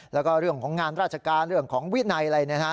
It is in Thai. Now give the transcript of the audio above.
แล้วก็เรื่องของงานราชการเรื่องของวินัยอะไรนะฮะ